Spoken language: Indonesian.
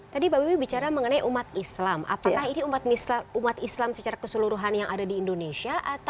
tadi mbak wiwi bicara mengenai umat islam apakah ini umat islam secara keseluruhan yang ada di indonesia